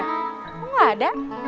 kok ga ada